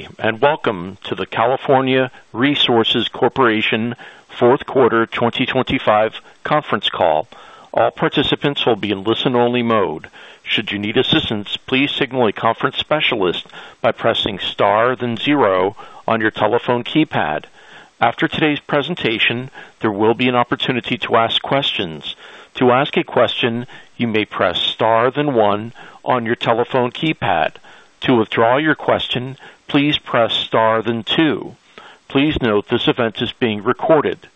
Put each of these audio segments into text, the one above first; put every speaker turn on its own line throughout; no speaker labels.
Good day, welcome to the California Resources Corporation Fourth Quarter 2025 conference call. All participants will be in listen-only mode. Should you need assistance, please signal a conference specialist by pressing star, then zero on your telephone keypad. After today's presentation, there will be an opportunity to ask questions. To ask a question, you may press star then one on your telephone keypad. To withdraw your question, please press star then two. Please note this event is being recorded.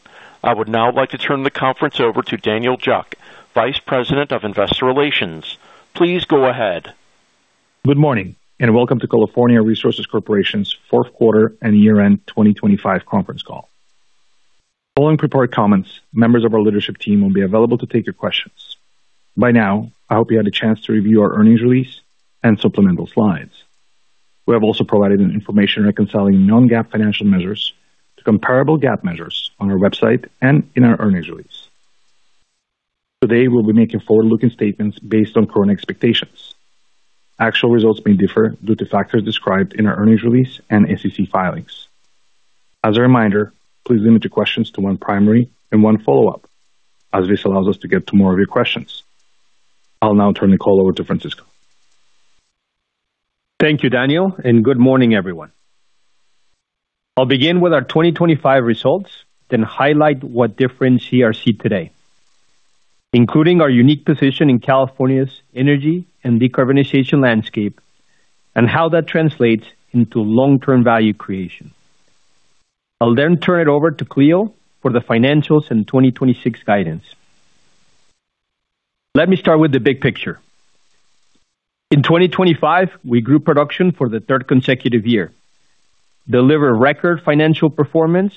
I would now like to turn the conference over to Daniel Juck, Vice President of Investor Relations. Please go ahead.
Good morning, welcome to California Resources Corporation's fourth quarter and year-end 2025 conference call. Following prepared comments, members of our leadership team will be available to take your questions. By now, I hope you had a chance to review our earnings release and supplemental slides. We have also provided an information reconciling non-GAAP financial measures to comparable GAAP measures on our website and in our earnings release. Today, we'll be making forward-looking statements based on current expectations. Actual results may differ due to factors described in our earnings release and SEC filings. As a reminder, please limit your questions to one primary and one follow-up, as this allows us to get to more of your questions. I'll now turn the call over to Francisco.
Thank you, Daniel. Good morning, everyone. I'll begin with our 2025 results, then highlight what difference CRC today, including our unique position in California's energy and decarbonization landscape and how that translates into long-term value creation. I'll then turn it over to Cleo for the financials and 2026 guidance. Let me start with the big picture. In 2025, we grew production for the third consecutive year, deliver record financial performance,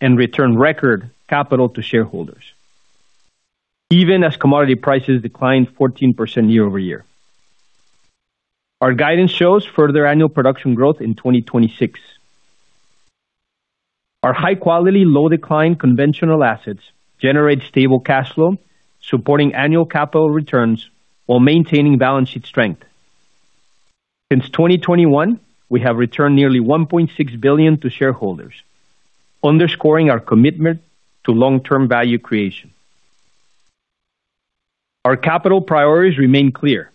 and return record capital to shareholders, even as commodity prices declined 14% year-over-year. Our guidance shows further annual production growth in 2026. Our high-quality, low-decline conventional assets generate stable cash flow, supporting annual capital returns while maintaining balance sheet strength. Since 2021, we have returned nearly $1.6 billion to shareholders, underscoring our commitment to long-term value creation. Our capital priorities remain clear: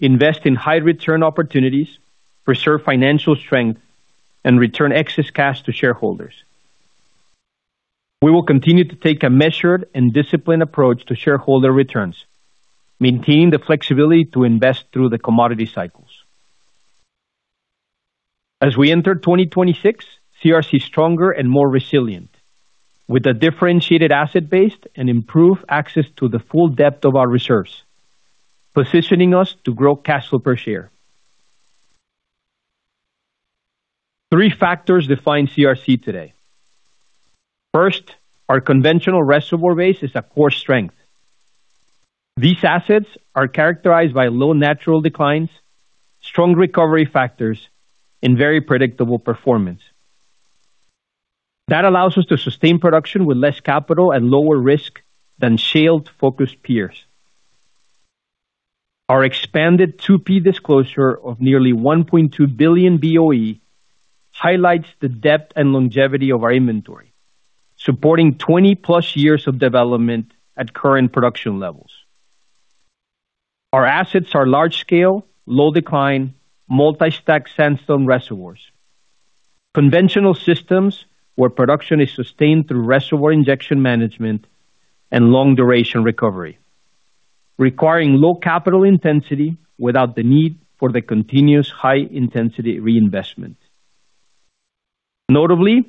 Invest in high-return opportunities, preserve financial strength, and return excess cash to shareholders. We will continue to take a measured and disciplined approach to shareholder returns, maintaining the flexibility to invest through the commodity cycles. As we enter 2026, CRC is stronger and more resilient, with a differentiated asset base and improved access to the full depth of our reserves, positioning us to grow cash flow per share. Three factors define CRC today. First, our conventional reservoir base is a core strength. These assets are characterized by low natural declines, strong recovery factors, and very predictable performance. That allows us to sustain production with less capital and lower risk than shale-focused peers. Our expanded 2P disclosure of nearly 1.2 billion BOE highlights the depth and longevity of our inventory, supporting 20-plus years of development at current production levels. Our assets are large-scale, low-decline, multi-stack sandstone reservoirs. Conventional systems where production is sustained through reservoir injection management and long-duration recovery, requiring low capital intensity without the need for the continuous high-intensity reinvestment. Notably,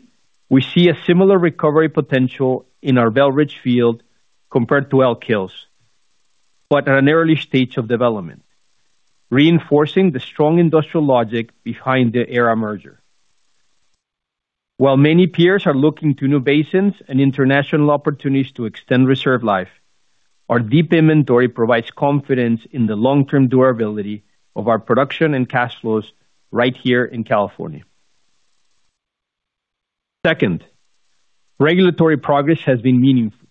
we see a similar recovery potential in our Belridge Field compared to Elk Hills, but at an early stage of development, reinforcing the strong industrial logic behind the Aera Energy merger. Many peers are looking to new basins and international opportunities to extend reserve life, our deep inventory provides confidence in the long-term durability of our production and cash flows right here in California. Second, regulatory progress has been meaningful.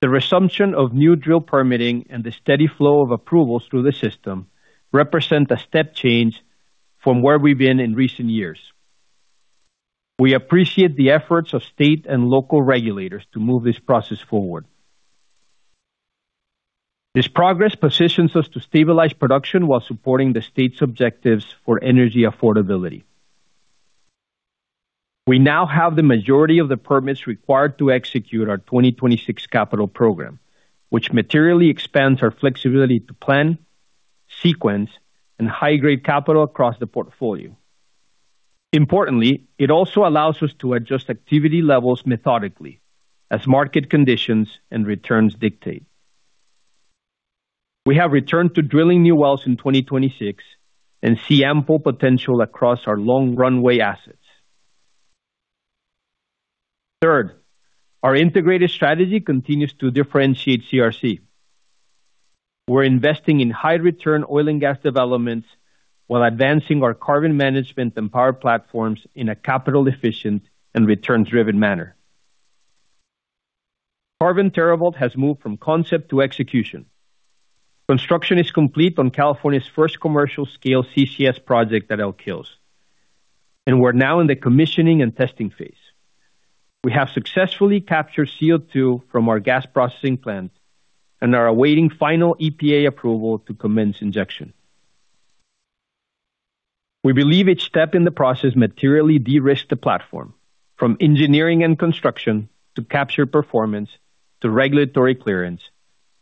The resumption of new drill permitting and the steady flow of approvals through the system represent a step change from where we've been in recent years. We appreciate the efforts of state and local regulators to move this process forward. This progress positions us to stabilize production while supporting the state's objectives for energy affordability. We now have the majority of the permits required to execute our 2026 capital program, which materially expands our flexibility to plan, sequence, and high-grade capital across the portfolio. It also allows us to adjust activity levels methodically as market conditions and returns dictate. We have returned to drilling new wells in 2026 and see ample potential across our long runway assets. Our integrated strategy continues to differentiate CRC. We're investing in high-return oil and gas developments while advancing our carbon management and power platforms in a capital-efficient and returns-driven manner. Carbon TerraVault has moved from concept to execution. Construction is complete on California's first commercial scale CCS project at Elk Hills, and we're now in the commissioning and testing phase. We have successfully captured CO2 from our gas processing plant and are awaiting final EPA approval to commence injection. We believe each step in the process materially de-risk the platform, from engineering and construction to capture performance to regulatory clearance,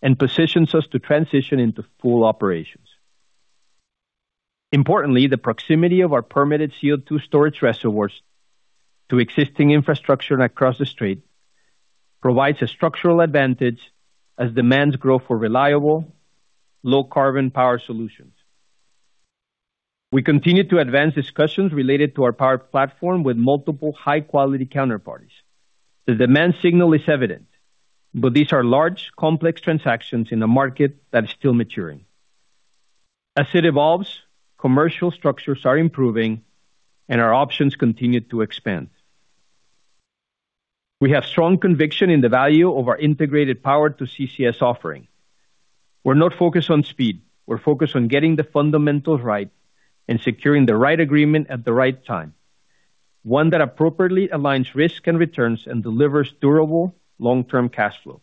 and positions us to transition into full operations. Importantly, the proximity of our permitted CO2 storage reservoirs to existing infrastructure across the street provides a structural advantage as demands grow for reliable, low carbon power solutions. We continue to advance discussions related to our power platform with multiple high-quality counterparties. The demand signal is evident, but these are large, complex transactions in a market that is still maturing. As it evolves, commercial structures are improving and our options continue to expand. We have strong conviction in the value of our integrated power to CCS offering. We're not focused on speed. We're focused on getting the fundamentals right and securing the right agreement at the right time. One that appropriately aligns risks and returns and delivers durable long-term cash flow.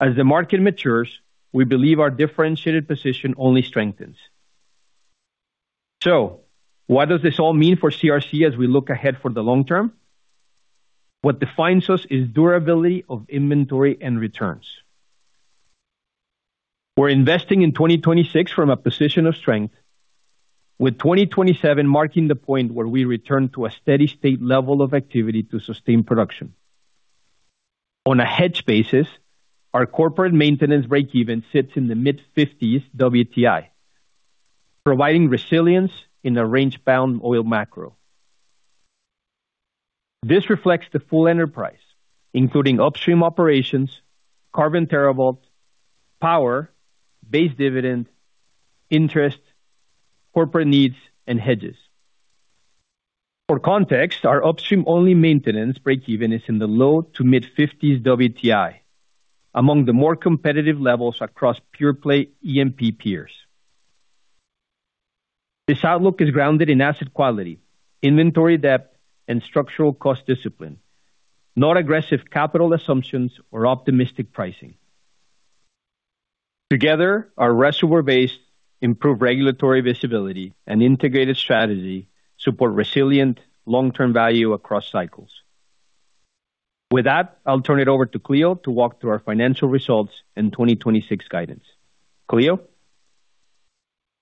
As the market matures, we believe our differentiated position only strengthens. What does this all mean for CRC as we look ahead for the long term? What defines us is durability of inventory and returns. We're investing in 2026 from a position of strength, with 2027 marking the point where we return to a steady state level of activity to sustain production. On a hedge basis, our corporate maintenance breakeven sits in the mid-$50s WTI, providing resilience in the range-bound oil macro. This reflects the full enterprise, including upstream operations, Carbon TerraVault, power, base dividend, interest, corporate needs and hedges. For context, our upstream-only maintenance breakeven is in the low to mid-$50s WTI, among the more competitive levels across pure-play E&P peers. This outlook is grounded in asset quality, inventory depth, and structural cost discipline, not aggressive capital assumptions or optimistic pricing. Together, our reservoir base, improved regulatory visibility and integrated strategy support resilient long-term value across cycles. I'll turn it over to Cleo to walk through our financial results in 2026 guidance. Cleo.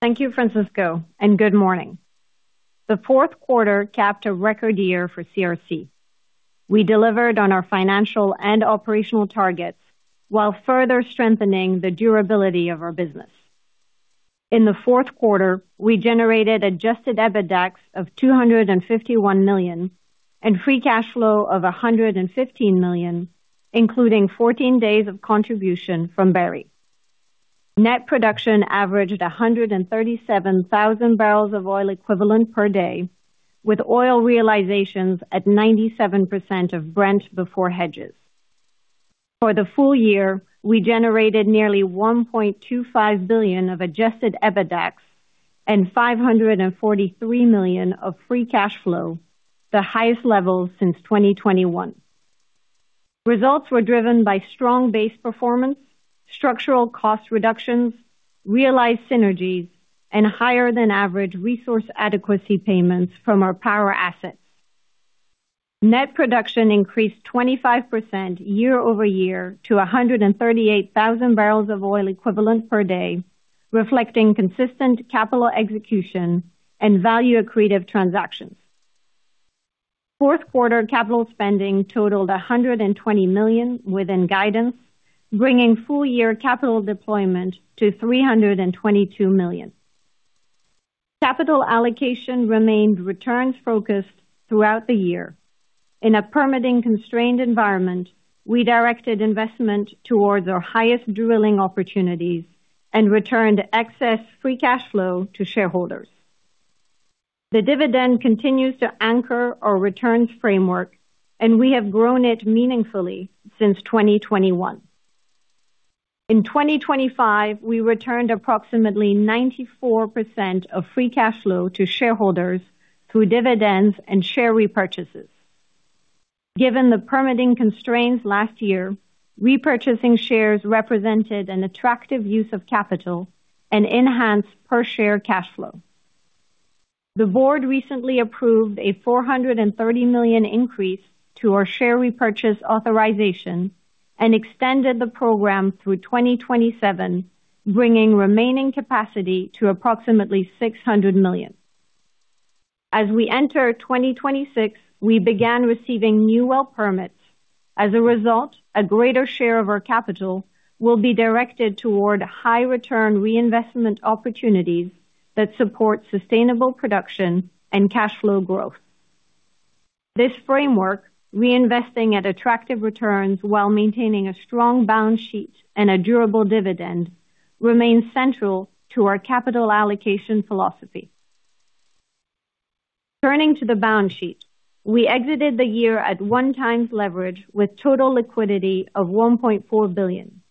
Thank you, Francisco. Good morning. The fourth quarter capped a record year for CRC. We delivered on our financial and operational targets while further strengthening the durability of our business. In the fourth quarter, we generated adjusted EBITDAX of $251 million and free cash flow of $115 million, including 14 days of contribution from Berry. Net production averaged 137,000 barrels of oil equivalent per day, with oil realizations at 97% of Brent before hedges. For the full year, we generated nearly $1.25 billion of adjusted EBITDAX and $543 million of free cash flow, the highest level since 2021. Results were driven by strong base performance, structural cost reductions, realized synergies, and higher than average Resource Adequacy payments from our power assets. Net production increased 25% year-over-year to 138,000 barrels of oil equivalent per day, reflecting consistent capital execution and value accretive transactions. Fourth quarter capital spending totaled $120 million within guidance, bringing full year capital deployment to $322 million. Capital allocation remained returns-focused throughout the year. In a permitting constrained environment, we directed investment towards our highest drilling opportunities and returned excess free cash flow to shareholders. The dividend continues to anchor our returns framework, and we have grown it meaningfully since 2021. In 2025, we returned approximately 94% of free cash flow to shareholders through dividends and share repurchases. Given the permitting constraints last year, repurchasing shares represented an attractive use of capital and enhanced per share cash flow. The board recently approved a $430 million increase to our share repurchase authorization and extended the program through 2027, bringing remaining capacity to approximately $600 million. As we enter 2026, we began receiving new well permits. As a result, a greater share of our capital will be directed toward high return reinvestment opportunities that support sustainable production and cash flow growth. This framework, reinvesting at attractive returns while maintaining a strong balance sheet and a durable dividend, remains central to our capital allocation philosophy. Turning to the balance sheet. We exited the year at 1 times leverage with total liquidity of $1.4 billion.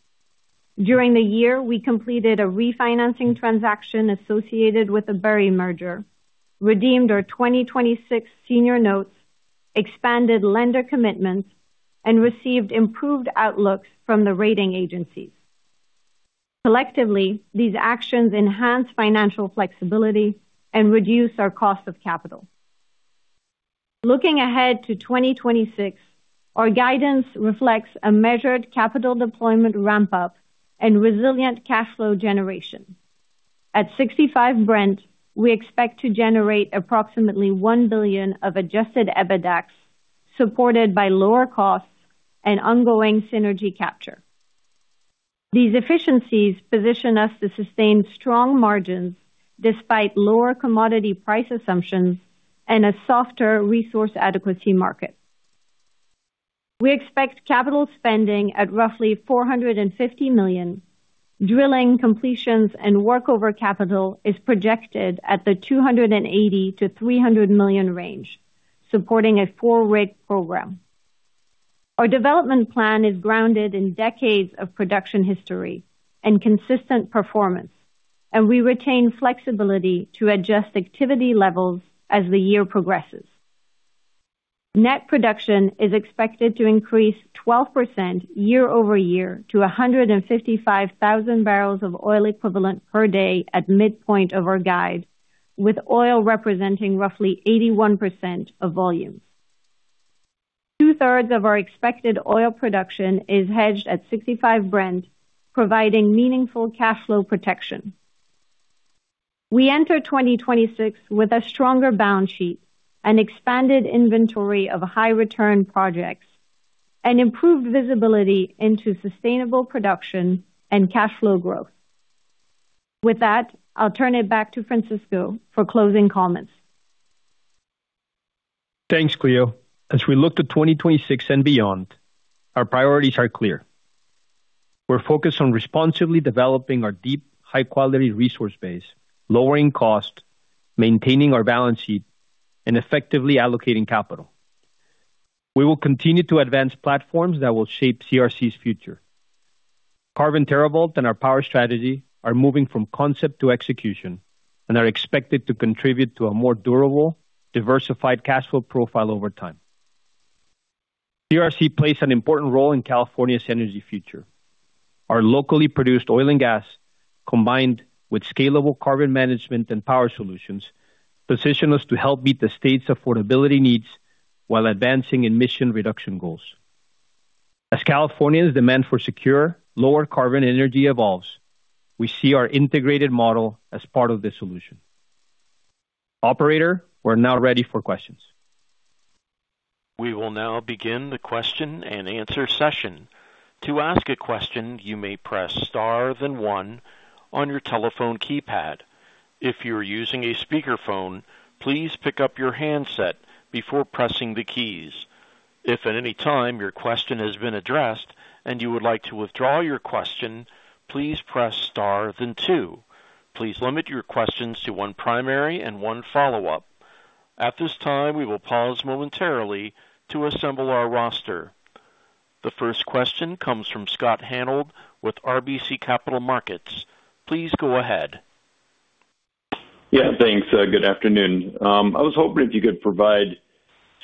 During the year, we completed a refinancing transaction associated with the Berry merger, redeemed our 2026 senior notes, expanded lender commitments, and received improved outlooks from the rating agencies. Collectively, these actions enhance financial flexibility and reduce our cost of capital. Looking ahead to 2026, our guidance reflects a measured capital deployment ramp up and resilient cash flow generation. At $65 Brent, we expect to generate approximately $1 billion of adjusted EBITDA, supported by lower costs and ongoing synergy capture. These efficiencies position us to sustain strong margins despite lower commodity price assumptions and a softer Resource Adequacy market. We expect capital spending at roughly $450 million. Drilling completions and workover capital is projected at the $280 million-$300 million range, supporting a full rig program. We retain flexibility to adjust activity levels as the year progresses. Net production is expected to increase 12% year-over-year to 155,000 barrels of oil equivalent per day at midpoint of our guide, with oil representing roughly 81% of volume. Two-thirds of our expected oil production is hedged at $65 Brent, providing meaningful cash flow protection. We enter 2026 with a stronger balance sheet and expanded inventory of high return projects and improved visibility into sustainable production and cash flow growth. With that, I'll turn it back to Francisco for closing comments.
Thanks, Cleo. As we look to 2026 and beyond, our priorities are clear. We're focused on responsibly developing our deep, high-quality resource base, lowering cost, maintaining our balance sheet, and effectively allocating capital. We will continue to advance platforms that will shape CRC's future. Carbon TerraVault and our power strategy are moving from concept to execution and are expected to contribute to a more durable, diversified cash flow profile over time. CRC plays an important role in California's energy future. Our locally produced oil and gas, combined with scalable carbon management and power solutions, position us to help meet the state's affordability needs while advancing emission reduction goals. As California's demand for secure, lower carbon energy evolves, we see our integrated model as part of the solution. Operator, we're now ready for questions.
We will now begin the question-and-answer session. To ask a question, you may press Star then one on your telephone keypad. If you're using a speakerphone, please pick up your handset before pressing the keys. If at any time your question has been addressed and you would like to withdraw your question, please press Star than two. Please limit your questions to one primary and one follow-up. At this time, we will pause momentarily to assemble our roster. The first question comes from Scott Hanold with RBC Capital Markets. Please go ahead.
Yeah, thanks. Good afternoon. I was hoping if you could provide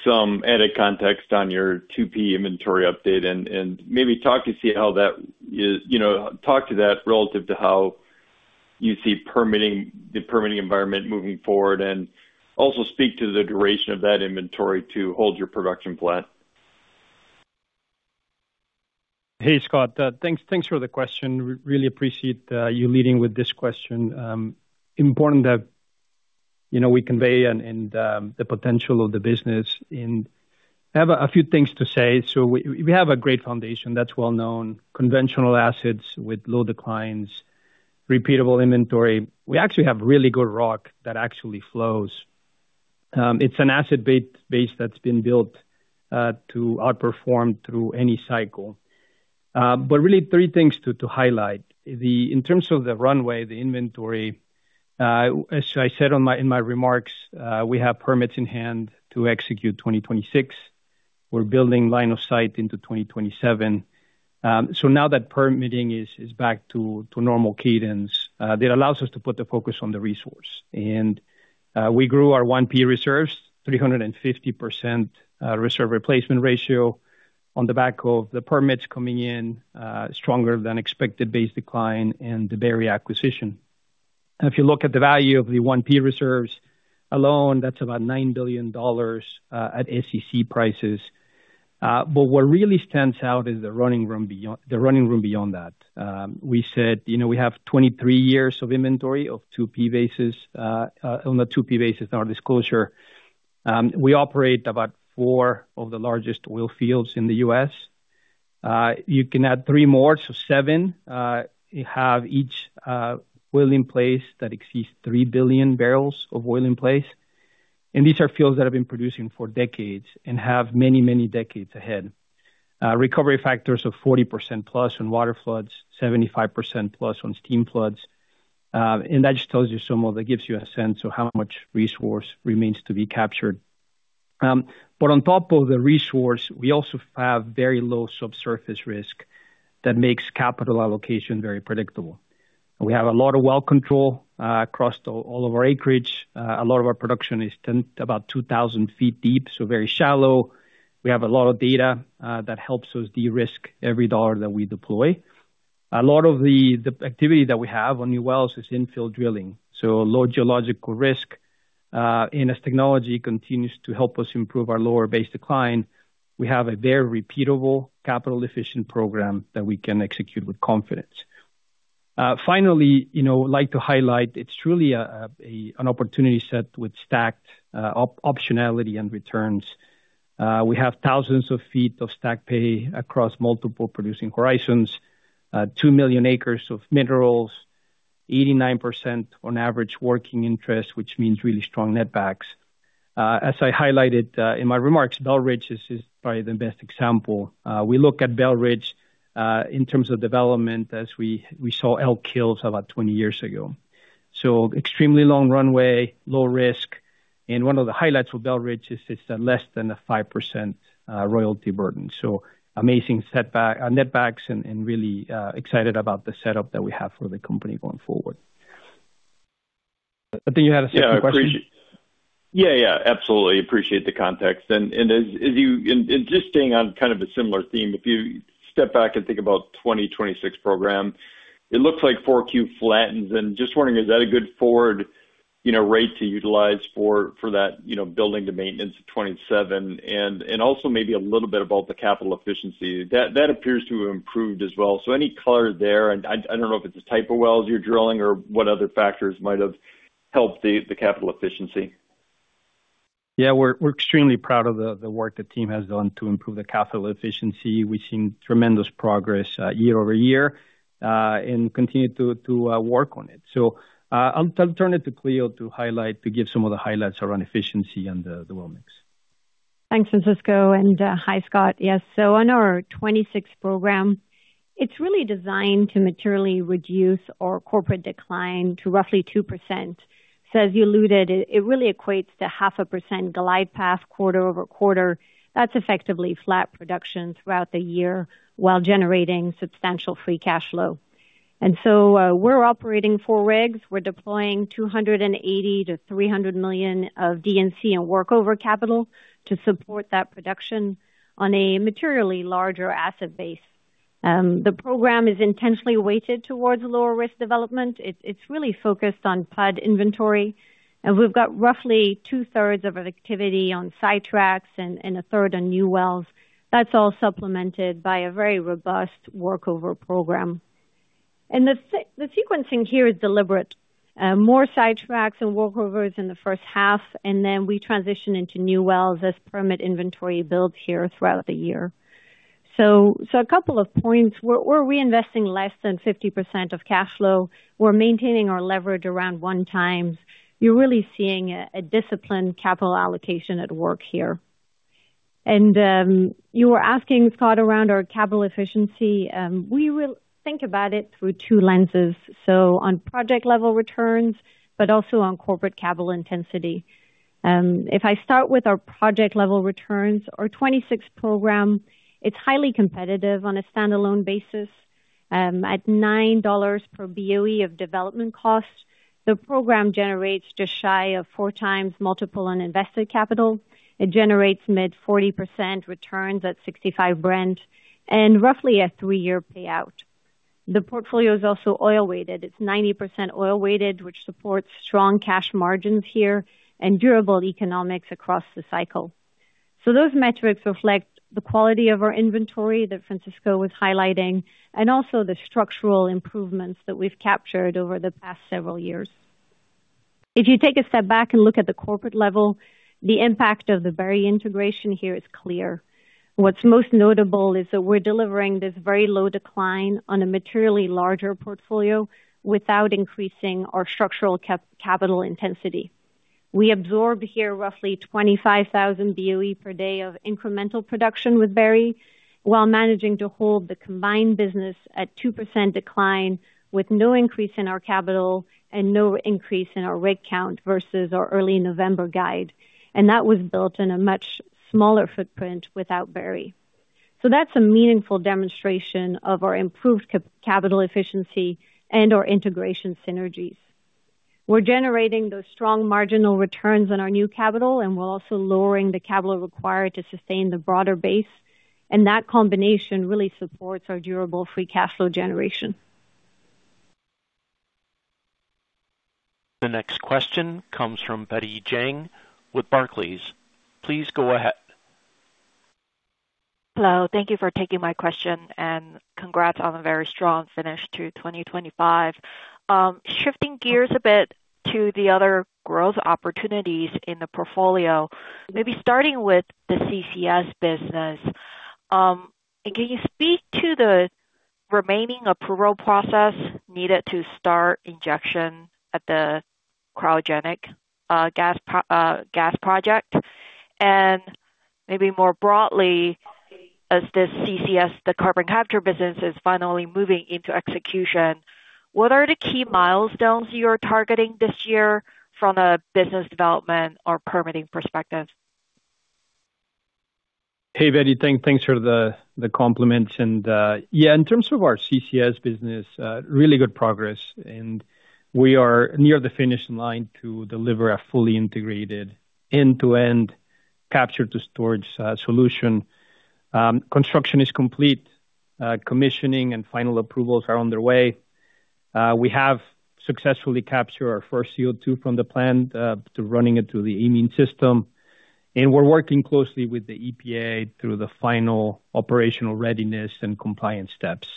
some added context on your 2P inventory update and maybe talk. You know, talk to that relative to how you see permitting, the permitting environment moving forward. Also speak to the duration of that inventory to hold your production plan.
Hey, Scott. Thanks for the question. Really appreciate you leading with this question. Important that, you know, we convey the potential of the business. I have a few things to say. We have a great foundation that's well known, conventional assets with low declines, repeatable inventory. We actually have really good rock that actually flows. It's an asset base that's been built to outperform through any cycle. Really three things to highlight. In terms of the runway, the inventory, as I said on my remarks, we have permits in hand to execute 2026. We're building line of sight into 2027. Now that permitting is back to normal cadence, that allows us to put the focus on the resource. We grew our 1P reserves 350%, reserve replacement ratio on the back of the permits coming in, stronger than expected base decline and the Berry acquisition. If you look at the value of the 1P reserves alone, that's about $9 billion at SEC prices. But what really stands out is the running room beyond, the running room beyond that. We said, you know, we have 23 years of inventory of 2P basis on the 2P basis in our disclosure. We operate about 4 of the largest oil fields in the U.S. You can add 3 more, so 7. You have each oil in place that exceeds 3 billion barrels of oil in place. These are fields that have been producing for decades and have many, many decades ahead. Recovery factors of 40% plus in water floods, 75% plus on steam floods. That just tells you some of it gives you a sense of how much resource remains to be captured. On top of the resource, we also have very low subsurface risk that makes capital allocation very predictable. We have a lot of well control across all of our acreage. A lot of our production is about 2,000 feet deep, so very shallow. We have a lot of data that helps us de-risk every dollar that we deploy. A lot of the activity that we have on new wells is infill drilling, so low geological risk, and as technology continues to help us improve our lower base decline, we have a very repeatable capital efficient program that we can execute with confidence. Finally, you know, like to highlight it's truly an opportunity set with stacked optionality and returns. We have thousands of feet of stack pay across multiple producing horizons, 2 million acres of minerals, 89% on average working interest, which means really strong netbacks. As I highlighted in my remarks, Belridge is probably the best example. We look at Belridge in terms of development as we saw Elk Hills about 20 years ago. extremely long runway, low risk, and one of the highlights with Belridge Field is it's less than a 5% royalty burden. amazing setback, netbacks and really excited about the setup that we have for the company going forward. I think you had a second question.
Yeah, absolutely appreciate the context. Just staying on kind of a similar theme, if you step back and think about 2026 program, it looks like 4Q flattens. Just wondering, is that a good forward, you know, rate to utilize for that, you know, building the maintenance of 27? Also maybe a little bit about the capital efficiency. That appears to have improved as well. Any color there, and I don't know if it's the type of wells you're drilling or what other factors might have helped the capital efficiency.
We're extremely proud of the work the team has done to improve the capital efficiency. We've seen tremendous progress year-over-year and continue to work on it. I'll turn it to Cleo to highlight, to give some of the highlights around efficiency and the well mix.
Thanks, Francisco. Hi, Scott. Yes. On our 26 program, it's really designed to materially reduce our corporate decline to roughly 2%. As you alluded, it really equates to 0.5% glide path quarter-over-quarter. That's effectively flat production throughout the year while generating substantial free cash flow. We're operating 4 rigs. We're deploying $280 million-$300 million of D&C and workover capital to support that production on a materially larger asset base. The program is intentionally weighted towards lower risk development. It's really focused on pad inventory. We've got roughly 2/3 of activity on sidetracks and 1/3 on new wells. That's all supplemented by a very robust workover program. The sequencing here is deliberate. More sidetracks and workovers in the first half, we transition into new wells as permit inventory builds here throughout the year. A couple of points. We're reinvesting less than 50% of cash flow. We're maintaining our leverage around 1x. You're really seeing a disciplined capital allocation at work here. You were asking, Scott, around our capital efficiency. We will think about it through 2 lenses, so on project level returns, but also on corporate capital intensity. If I start with our project level returns, our 2026 program, it's highly competitive on a standalone basis, at $9 per BOE of development costs. The program generates just shy of 4x multiple on invested capital. It generates mid-40% returns at $65 Brent and roughly a 3-year payout. The portfolio is also oil weighted. It's 90% oil weighted, which supports strong cash margins here and durable economics across the cycle. Those metrics reflect the quality of our inventory that Francisco was highlighting and also the structural improvements that we've captured over the past several years. If you take a step back and look at the corporate level, the impact of the Berry integration here is clear. What's most notable is that we're delivering this very low decline on a materially larger portfolio without increasing our structural capital intensity. We absorbed here roughly 25,000 BOE per day of incremental production with Berry, while managing to hold the combined business at 2% decline with no increase in our capital and no increase in our rig count versus our early November guide. That was built in a much smaller footprint without Berry. That's a meaningful demonstration of our improved capital efficiency and our integration synergies. We're generating those strong marginal returns on our new capital, and we're also lowering the capital required to sustain the broader base. That combination really supports our durable free cash flow generation.
The next question comes from Betty Jiang with Barclays. Please go ahead.
Hello. Thank you for taking my question and congrats on a very strong finish to 2025. Shifting gears a bit to the other growth opportunities in the portfolio, maybe starting with the CCS business. Can you speak to the remaining approval process needed to start injection at the cryogenic gas project. Maybe more broadly, as this CCS, the carbon capture business, is finally moving into execution, what are the key milestones you're targeting this year from a business development or permitting perspective?
Hey, Betty. Thanks for the compliments. Yeah, in terms of our CCS business, really good progress, and we are near the finish line to deliver a fully integrated end-to-end capture to storage solution. Construction is complete. Commissioning and final approvals are underway. We have successfully captured our first CO2 from the plant, to running it through the amine system, and we're working closely with the EPA through the final operational readiness and compliance steps.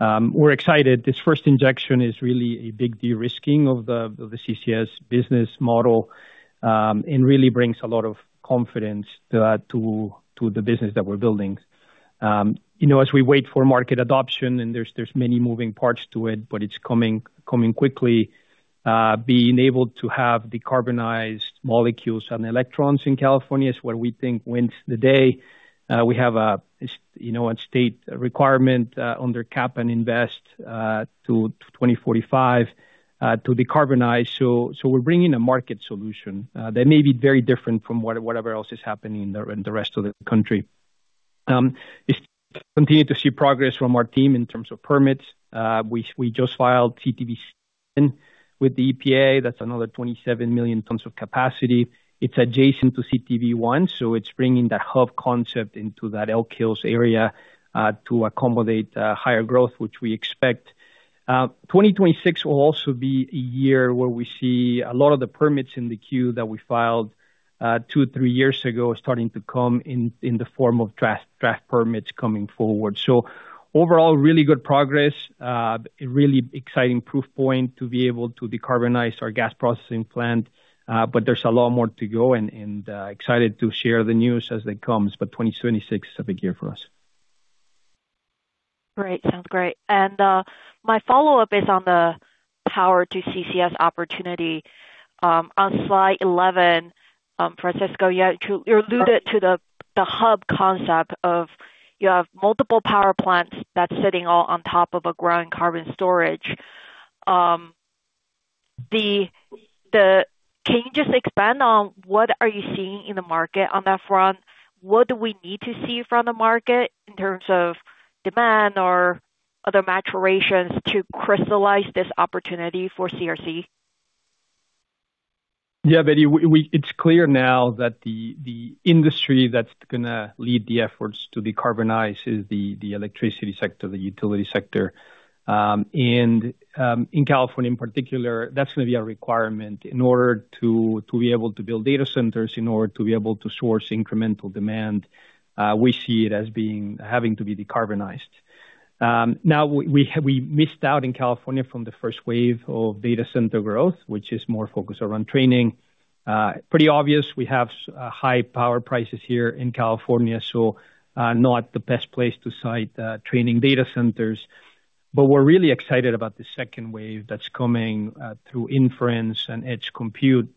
We're excited. This first injection is really a big de-risking of the CCS business model, and really brings a lot of confidence to the business that we're building. You know, as we wait for market adoption and there's many moving parts to it, but it's coming quickly. Being able to have decarbonized molecules and electrons in California is what we think wins the day. We have you know, a state requirement under Cap-and-Invest Program to 2045 to decarbonize. We're bringing a market solution that may be very different from whatever else is happening in the rest of the country. Continue to see progress from our team in terms of permits. We just filed CTV with the EPA. That's another 27 million tons of capacity. It's adjacent to CTV I, so it's bringing that hub concept into that Elk Hills area to accommodate higher growth, which we expect. 2026 will also be a year where we see a lot of the permits in the queue that we filed 2 or 3 years ago starting to come in the form of draft permits coming forward. Overall, really good progress. A really exciting proof point to be able to decarbonize our gas processing plant. But there's a lot more to go and excited to share the news as it comes. 2026 is a big year for us.
Great. Sounds great. My follow-up is on the power to CCS opportunity. On slide 11, Francisco, you alluded to the hub concept of you have multiple power plants that's sitting all on top of a growing carbon storage. Can you just expand on what are you seeing in the market on that front? What do we need to see from the market in terms of demand or other maturations to crystallize this opportunity for CRC?
Yeah, Betty. It's clear now that the industry that's gonna lead the efforts to decarbonize is the electricity sector, the utility sector. And in California in particular, that's gonna be a requirement in order to be able to build data centers, in order to be able to source incremental demand, having to be decarbonized. Now we missed out in California from the first wave of data center growth, which is more focused around training. Pretty obvious we have high power prices here in California, so not the best place to site training data centers. We're really excited about the second wave that's coming through inference and edge compute,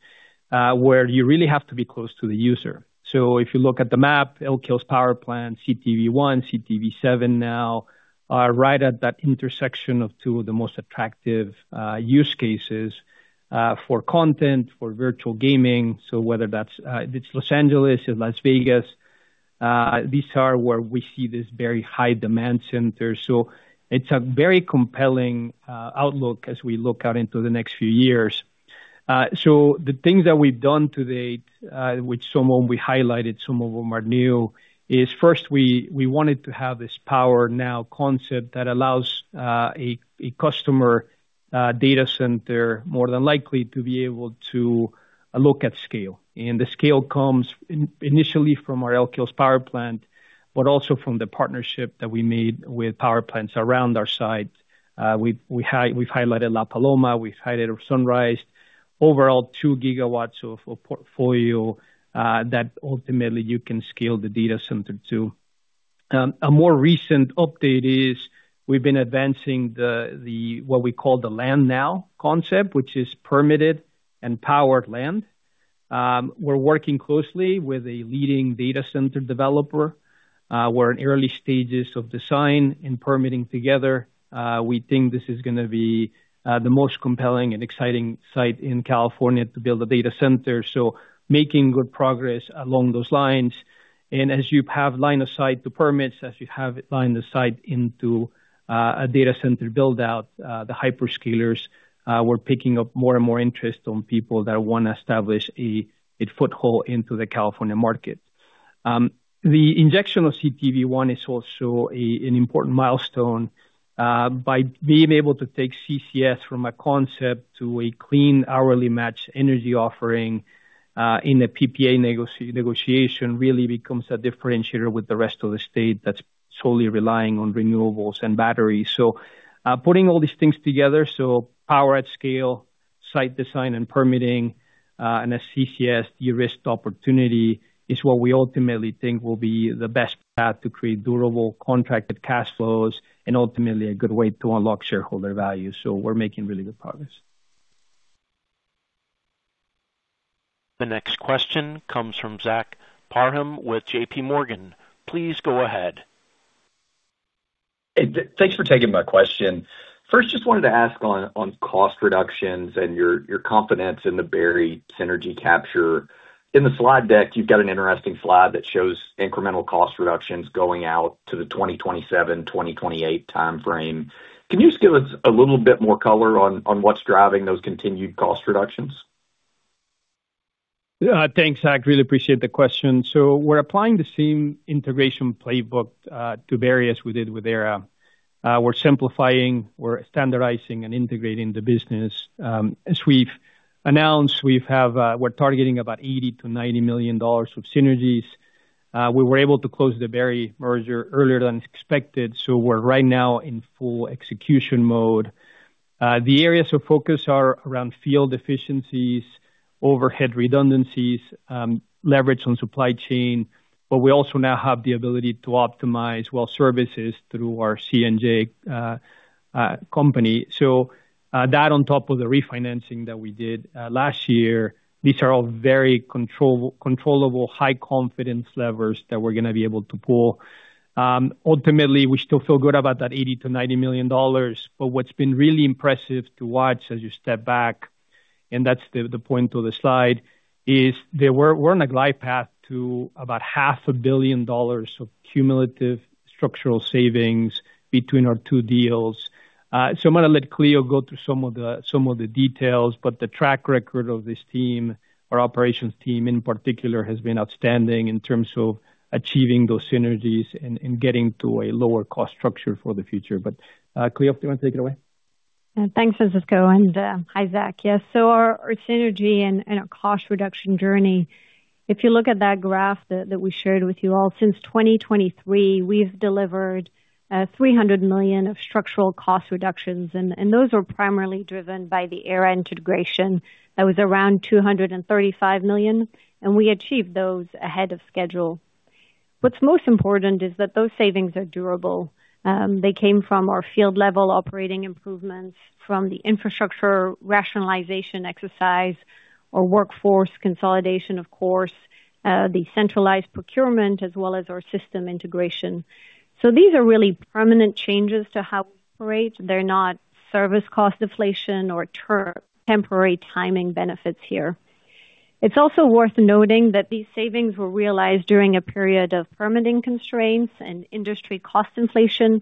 where you really have to be close to the user. If you look at the map, Elk Hills Power Plant, CTV I, CTV II now are right at that intersection of two of the most attractive use cases for content, for virtual gaming. Whether that's, it's Los Angeles or Las Vegas, these are where we see this very high demand center. It's a very compelling outlook as we look out into the next few years. The things that we've done to date, which some of them we highlighted, some of them are new, is first we wanted to have this Power Now concept that allows a customer, data center more than likely to be able to look at scale. And the scale comes initially from our Elk Hills Power Plant, but also from the partnership that we made with power plants around our site. We've highlighted La Paloma, we've highlighted Sunrise. Overall, 2 gigawatts of portfolio that ultimately you can scale the data center to. A more recent update is we've been advancing the what we call the Land Now concept, which is permitted and powered land. We're working closely with a leading data center developer. We're in early stages of design and permitting together. We think this is gonna be the most compelling and exciting site in California to build a data center. Making good progress along those lines. As you have line of sight to permits, as you have line of sight into a data center build out, the hyperscalers, we're picking up more and more interest on people that want to establish a foothold into the California market. The injection of CTV I is also an important milestone by being able to take CCS from a concept to a clean hourly match energy offering in a PPA negotiation really becomes a differentiator with the rest of the state that's solely relying on renewables and batteries. Putting all these things together, power at scale, site design and permitting, and a CCS de-risk opportunity is what we ultimately think will be the best path to create durable contracted cash flows and ultimately a good way to unlock shareholder value. We're making really good progress.
The next question comes from Zach Parham with JP Morgan. Please go ahead.
Hey, thanks for taking my question. First, just wanted to ask on cost reductions and your confidence in the Berry synergy capture. In the slide deck, you've got an interesting slide that shows incremental cost reductions going out to the 2027, 2028 timeframe. Can you just give us a little bit more color on what's driving those continued cost reductions?
Thanks, Zach. Really appreciate the question. We're applying the same integration playbook to Berry as we did with Aera Energy. We're simplifying, we're standardizing and integrating the business. As we've announced, we're targeting about $80 million-$90 million of synergies. We were able to close the Berry merger earlier than expected, we're right now in full execution mode. The areas of focus are around field efficiencies, overhead redundancies, leverage on supply chain, but we also now have the ability to optimize well services through our C&J company. That on top of the refinancing that we did last year, these are all very control-controllable high confidence levers that we're gonna be able to pull. Ultimately, we still feel good about that $80 million-$90 million. What's been really impressive to watch as you step back, and that's the point of the slide, is that we're on a glide path to about half a billion dollars of cumulative structural savings between our two deals. I'm gonna let Cleo go through some of the details, but the track record of this team, our operations team in particular, has been outstanding in terms of achieving those synergies and getting to a lower cost structure for the future. Cleo, if you wanna take it away.
Thanks, Francisco, and hi, Zach. Yes. Our synergy and our cost reduction journey, if you look at that graph that we shared with you all, since 2023, we've delivered $300 million of structural cost reductions, and those were primarily driven by the Aera integration. That was around $235 million, and we achieved those ahead of schedule. What's most important is that those savings are durable. They came from our field-level operating improvements, from the infrastructure rationalization exercise or workforce consolidation, of course, the centralized procurement as well as our system integration. These are really permanent changes to how we operate. They're not service cost deflation or temporary timing benefits here. It's also worth noting that these savings were realized during a period of permitting constraints and industry cost inflation.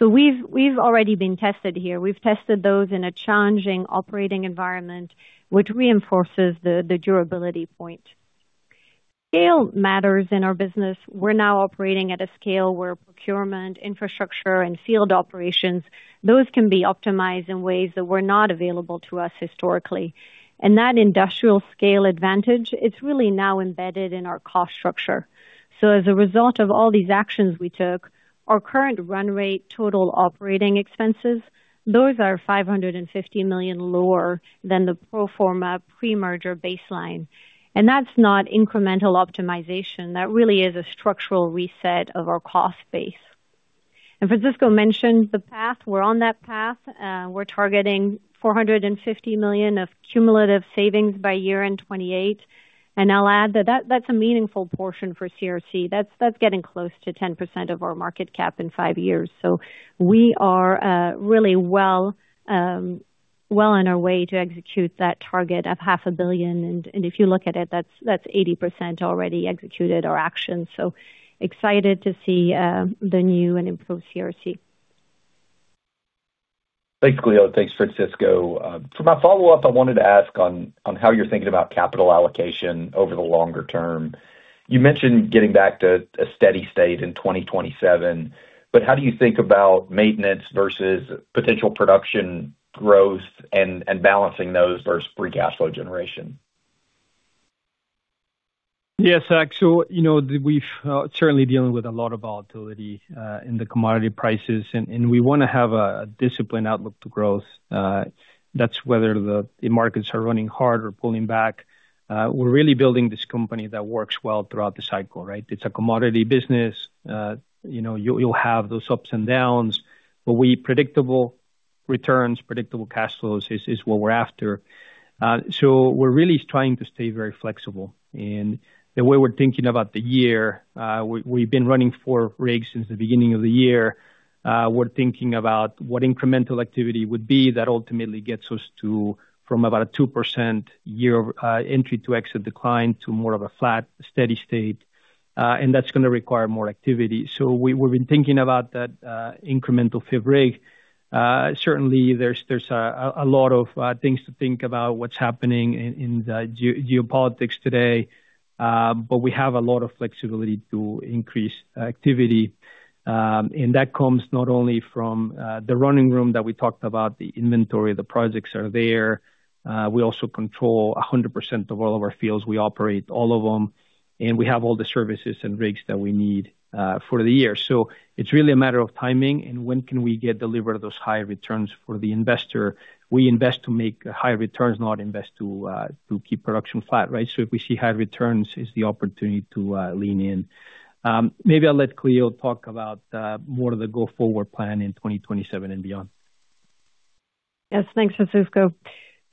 We've already been tested here. We've tested those in a challenging operating environment, which reinforces the durability point. Scale matters in our business. We're now operating at a scale where procurement, infrastructure, and field operations, those can be optimized in ways that were not available to us historically. That industrial scale advantage, it's really now embedded in our cost structure. As a result of all these actions we took, our current run rate total operating expenses, those are $550 million lower than the pro forma pre-merger baseline. That's not incremental optimization. That really is a structural reset of our cost base. Francisco mentioned the path. We're on that path. We're targeting $450 million of cumulative savings by year-end 2028. I'll add that's a meaningful portion for CRC. That's getting close to 10% of our market cap in 5 years. We are really well, well on our way to execute that target of half a billion dollars. If you look at it, that's 80% already executed or actioned. Excited to see the new and improved CRC.
Thanks, Cleo. Thanks, Francisco. For my follow-up, I wanted to ask on how you're thinking about capital allocation over the longer term. You mentioned getting back to a steady state in 2027. How do you think about maintenance versus potential production growth and balancing those versus free cash flow generation?
Yes, Zach. you know, we've certainly dealing with a lot of volatility in the commodity prices and we wanna have a disciplined outlook to growth. That's whether the markets are running hard or pulling back. We're really building this company that works well throughout the cycle, right? It's a commodity business. you know, you'll have those ups and downs, predictable returns, predictable cash flows is what we're after. We're really trying to stay very flexible in the way we're thinking about the year. We've been running four rigs since the beginning of the year. We're thinking about what incremental activity would be that ultimately gets us to from about a 2% year entry to exit decline to more of a flat, steady state. That's gonna require more activity. We've been thinking about that incremental fifth rig. Certainly there's a lot of things to think about what's happening in the geopolitics today. We have a lot of flexibility to increase activity. That comes not only from the running room that we talked about, the inventory, the projects are there. We also control 100% of all of our fields. We operate all of them. We have all the services and rigs that we need for the year. It's really a matter of timing and when can we deliver those higher returns for the investor. We invest to make higher returns, not invest to keep production flat, right? If we see high returns is the opportunity to lean in. Maybe I'll let Cleo talk about, more of the go-forward plan in 2027 and beyond.
Yes, thanks, Francisco.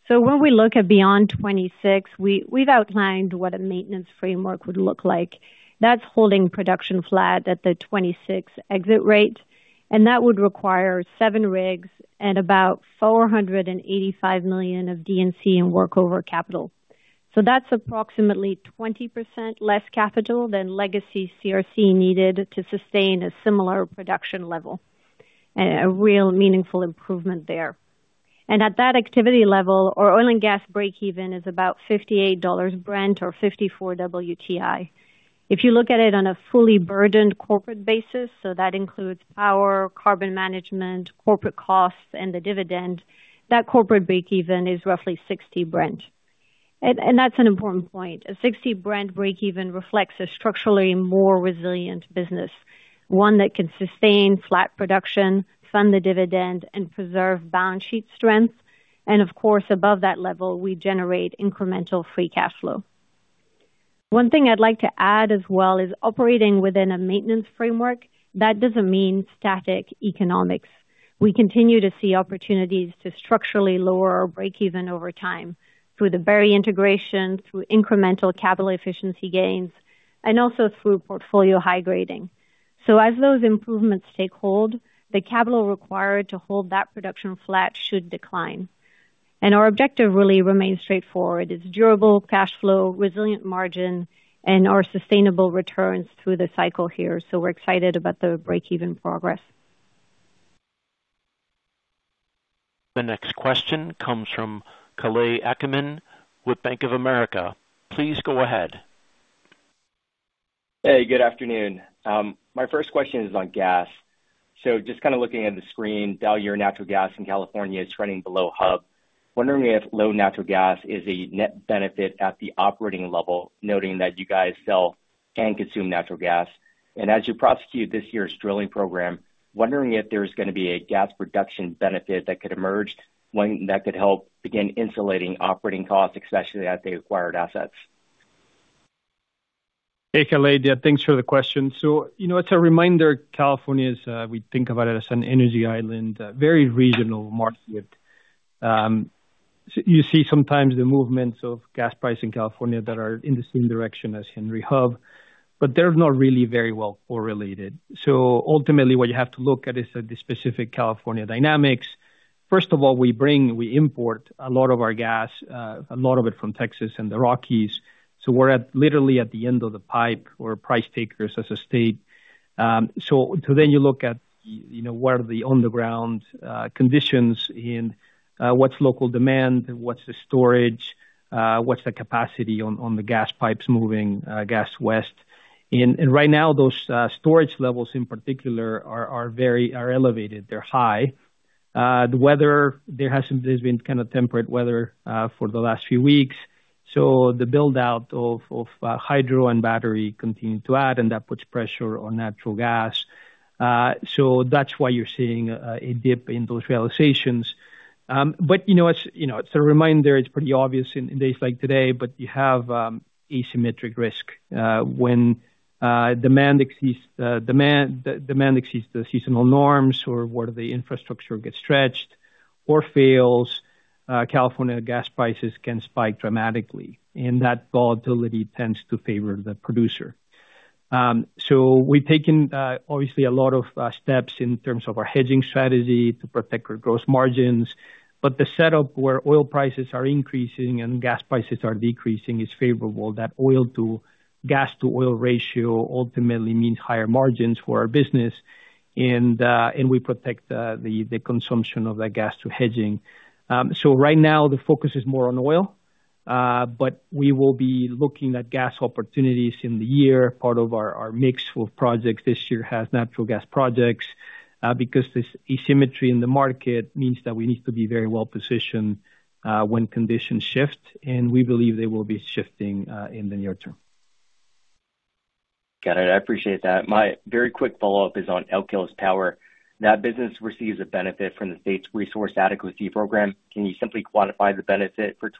When we look at beyond 2026, we've outlined what a maintenance framework would look like. That's holding production flat at the 2026 exit rate, that would require 7 rigs and about $485 million of D&C and workover capital. That's approximately 20% less capital than legacy CRC needed to sustain a similar production level. A real meaningful improvement there. At that activity level, our oil and gas breakeven is about $58 Brent or $54 WTI. If you look at it on a fully burdened corporate basis, that includes power, carbon management, corporate costs, and the dividend, that corporate breakeven is roughly $60 Brent. That's an important point. A $60 Brent breakeven reflects a structurally more resilient business, one that can sustain flat production, fund the dividend, and preserve balance sheet strength. Of course, above that level, we generate incremental free cash flow. One thing I'd like to add as well is operating within a maintenance framework, that doesn't mean static economics. We continue to see opportunities to structurally lower our breakeven over time through the Berry integration, through incremental capital efficiency gains, and also through portfolio high grading. As those improvements take hold, the capital required to hold that production flat should decline. Our objective really remains straightforward. It's durable cash flow, resilient margin, and our sustainable returns through the cycle here. We're excited about the breakeven progress.
The next question comes from Kalei Akamine with Bank of America. Please go ahead.
Hey, good afternoon. My first question is on gas. Just kinda looking at the screen, Valier Natural Gas in California is running below hub. Wondering if low natural gas is a net benefit at the operating level, noting that you guys sell and consume natural gas? As you prosecute this year's drilling program, wondering if there's gonna be a gas production benefit that could emerge, one that could help begin insulating operating costs, especially at the acquired assets?
Hey, Kale. Yeah, thanks for the question. You know, it's a reminder, California is, we think about it as an energy island, a very regional market. You see sometimes the movements of gas price in California that are in the same direction as Henry Hub, but they're not really very well correlated. Ultimately, what you have to look at is the specific California dynamics. First of all, we import a lot of our gas, a lot of it from Texas and the Rockies. We're at literally at the end of the pipe or price takers as a state. Then you look at, you know, what are the underground conditions in what's local demand and what's the storage, what's the capacity on the gas pipes moving gas west. Right now those storage levels in particular are elevated. They're high. The weather, there has been kind of temperate weather for the last few weeks, so the build out of hydro and battery continue to add, and that puts pressure on natural gas. That's why you're seeing a dip in those realizations. You know, it's, you know, it's a reminder, it's pretty obvious in days like today, but you have asymmetric risk when demand exceeds the seasonal norms or where the infrastructure gets stretched or fails, California gas prices can spike dramatically, and that volatility tends to favor the producer. We've taken obviously a lot of steps in terms of our hedging strategy to protect our gross margins. The setup where oil prices are increasing and gas prices are decreasing is favorable. That gas to oil ratio ultimately means higher margins for our business and we protect the consumption of that gas to hedging. Right now the focus is more on oil, but we will be looking at gas opportunities in the year. Part of our mix of projects this year has natural gas projects, because this asymmetry in the market means that we need to be very well-positioned when conditions shift, and we believe they will be shifting in the near term.
Got it. I appreciate that. My very quick follow-up is on Elk Hills Power. That business receives a benefit from the state's Resource Adequacy program. Can you simply quantify the benefit for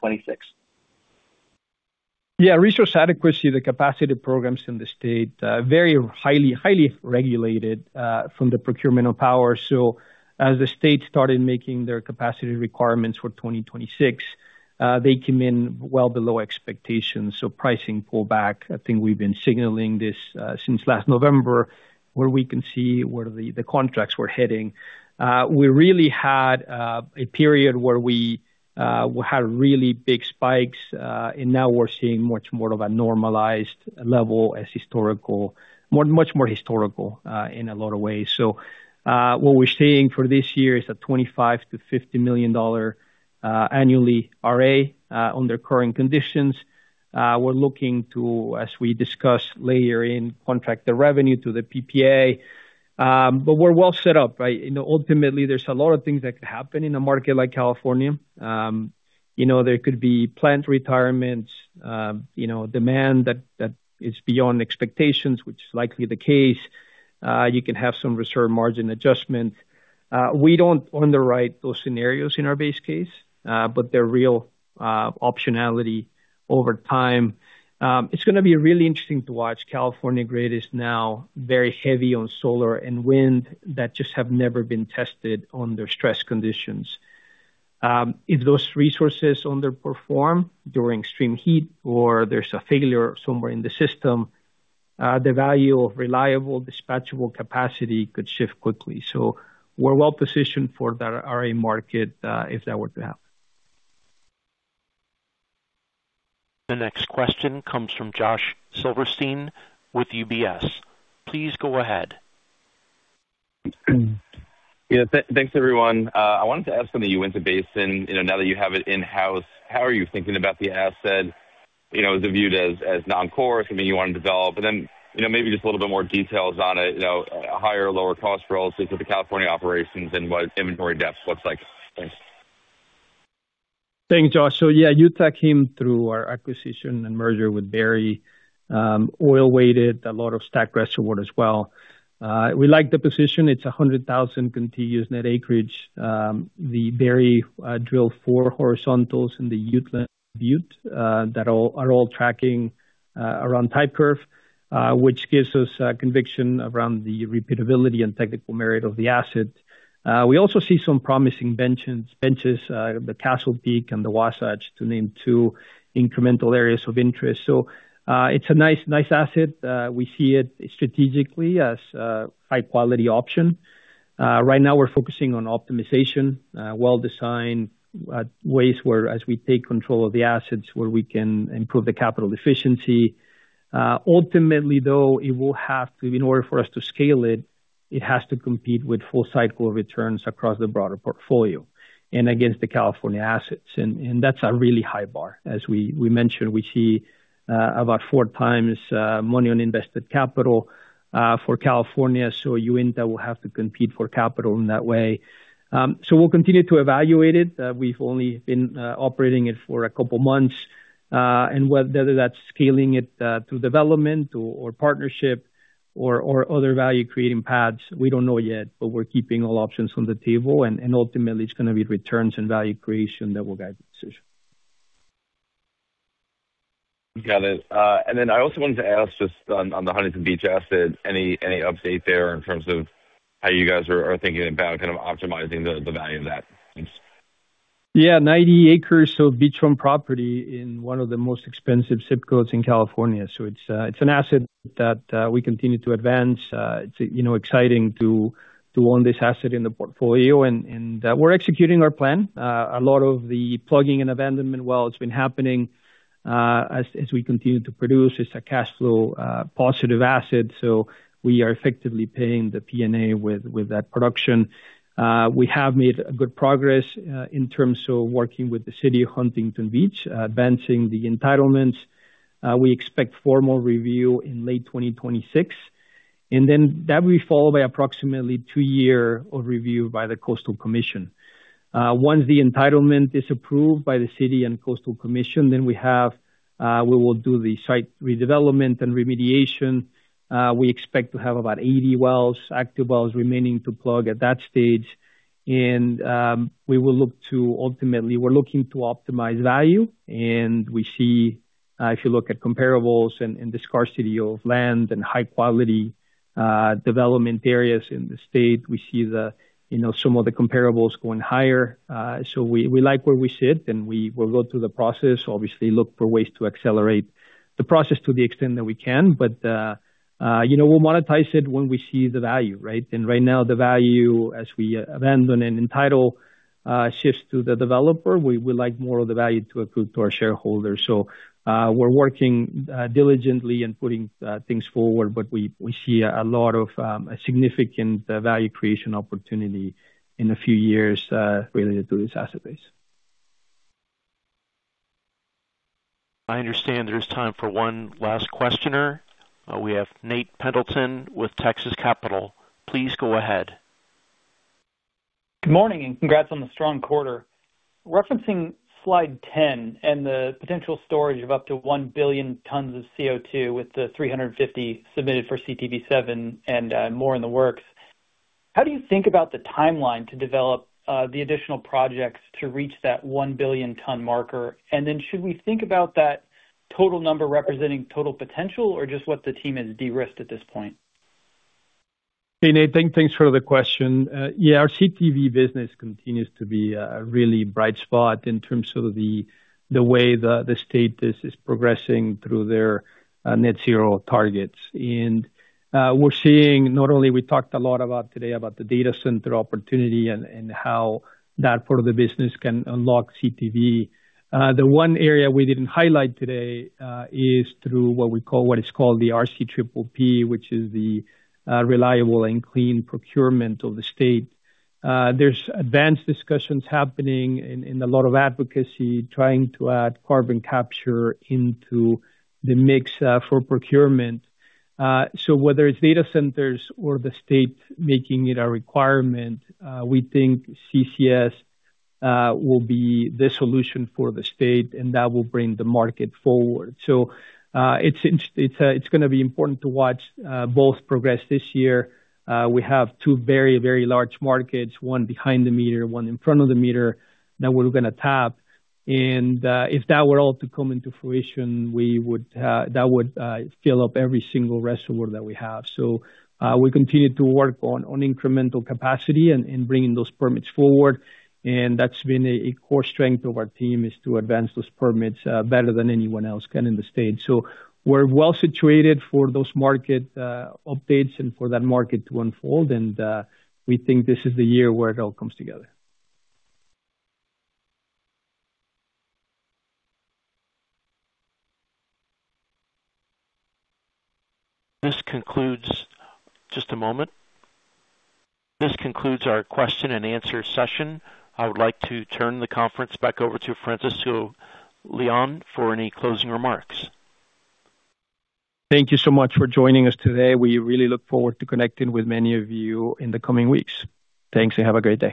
2026?
Resource Adequacy, the capacity programs in the state, very highly regulated, from the procurement of power. As the state started making their capacity requirements for 2026, they came in well below expectations. Pricing pullback, I think we've been signaling this, since last November, where we can see where the contracts were heading. We really had a period where we had really big spikes, and now we're seeing much more of a normalized level as historical. much more historical, in a lot of ways. What we're seeing for this year is a $25 million-$50 million, annually RA, under current conditions. We're looking to, as we discuss later in contract the revenue to the PPA. But we're well set up, right? You know, ultimately, there's a lot of things that could happen in a market like California. You know, there could be plant retirements, you know, demand that is beyond expectations, which is likely the case. You can have some reserve margin adjustment. We don't underwrite those scenarios in our base case, but they're real optionality over time. It's gonna be really interesting to watch. California grid is now very heavy on solar and wind that just have never been tested under stress conditions. If those resources underperform during extreme heat or there's a failure somewhere in the system, the value of reliable dispatchable capacity could shift quickly. We're well-positioned for that RA market if that were to happen.
The next question comes from Josh Silverstein with UBS. Please go ahead.
Yeah. Thanks, everyone. I wanted to ask when Uinta Basin, you know, now that you have it in-house, how are you thinking about the asset? You know, is it viewed as non-core? I mean, you want to develop and then, you know, maybe just a little bit more details on it, you know, higher or lower cost relative to the California operations and what inventory depth looks like. Thanks.
Thanks, Josh. Yeah, Utah came through our acquisition and merger with Berry. Oil weighted, a lot of STACK reservoir as well. We like the position. It's 100,000 contiguous net acreage. The Berry drilled 4 horizontals in the Uteland Butte that are all tracking around type curve, which gives us conviction around the repeatability and technical merit of the asset. We also see some promising benches, the Castle Peak and the Wasatch, to name 2 incremental areas of interest. It's a nice asset. We see it strategically as a high quality option. Right now we're focusing on optimization, well-designed ways where as we take control of the assets, where we can improve the capital efficiency. Ultimately, though, in order for us to scale it has to compete with full cycle returns across the broader portfolio and against the California assets. That's a really high bar. As we mentioned, we see about four times money on invested capital for California. Uinta Basin will have to compete for capital in that way. We'll continue to evaluate it. We've only been operating it for a couple months. Whether that's scaling it through development or partnership or other value-creating paths, we don't know yet, but we're keeping all options on the table. Ultimately it's gonna be returns and value creation that will guide the decision.
Got it. Then I also wanted to ask just on the Huntington Beach asset, any update there in terms of how you guys are thinking about kind of optimizing the value of that? Thanks.
90 acres of beachfront property in one of the most expensive ZIP codes in California. It's an asset that we continue to advance. It's, you know, exciting to own this asset in the portfolio. We're executing our plan. A lot of the plugging and abandonment, it's been happening as we continue to produce. It's a cash flow positive asset, we are effectively paying the P&A with that production. We have made good progress in terms of working with the City of Huntington Beach, advancing the entitlements. We expect formal review in late 2026, that will be followed by approximately 2 year of review by the Coastal Commission. Once the entitlement is approved by the city and Coastal Commission, then we have, we will do the site redevelopment and remediation. We expect to have about 80 wells, active wells remaining to plug at that stage. We will look to ultimately, we're looking to optimize value. We see, if you look at comparables and the scarcity of land and high quality, development areas in the state, we see the, you know, some of the comparables going higher. We like where we sit, and we will go through the process, obviously look for ways to accelerate the process to the extent that we can. You know, we'll monetize it when we see the value, right? Right now the value as we abandon and entitle, shifts to the developer. We would like more of the value to accrue to our shareholders. We're working diligently in putting things forward, but we see a lot of significant value creation opportunity in a few years related to this asset base.
I understand there is time for one last questioner. We have Nate Pendleton with Texas Capital. Please go ahead.
Good morning, and congrats on the strong quarter. Referencing slide 10 and the potential storage of up to 1 billion tons of CO2 with the 350 submitted for CTV II and more in the works. How do you think about the timeline to develop the additional projects to reach that 1 billion ton marker? Should we think about that total number representing total potential or just what the team has de-risked at this point?
Hey, Nate. Thanks for the question. Yeah, our CTV business continues to be a really bright spot in terms of the way the state is progressing through their net zero targets. We're seeing not only we talked a lot about today about the data center opportunity and how that part of the business can unlock CTV. The one area we didn't highlight today is through what is called the RCPP, which is the Reliable and Clean Power Procurement of the state. There's advanced discussions happening and a lot of advocacy trying to add carbon capture into the mix for procurement. Whether it's data centers or the state making it a requirement, we think CCS will be the solution for the state and that will bring the market forward. It's gonna be important to watch both progress this year. We have 2 very large markets, one behind the meter, one in front of the meter, that we're gonna tap. If that were all to come into fruition, we would that would fill up every single reservoir that we have. We continue to work on incremental capacity and bringing those permits forward. That's been a core strength of our team, is to advance those permits better than anyone else can in the state. We're well-situated for those market updates and for that market to unfold. We think this is the year where it all comes together.
Just a moment. This concludes our question and answer session. I would like to turn the conference back over to Francisco Leon for any closing remarks.
Thank you so much for joining us today. We really look forward to connecting with many of you in the coming weeks. Thanks, and have a great day.